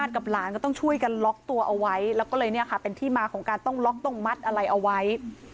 กับหลานก็ต้องช่วยกันล็อกตัวเอาไว้แล้วก็เลยเนี่ยค่ะเป็นที่มาของการต้องล็อกต้องมัดอะไรเอาไว้